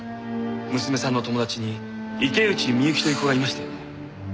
娘さんの友達に池内美雪という子がいましたよね？